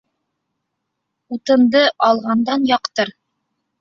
Утынды алғандан яҡтыр